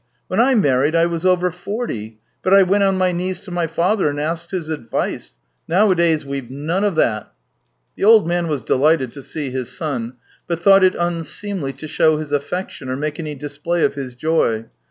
When I married I was over forty, but I went on my knees to my father and asked his advice. Nowadays we've none of that." The old man was delighted to see his son, but thought it unseemly to show his affection or make any display of his joy.